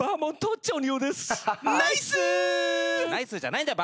ナイスじゃないんだ。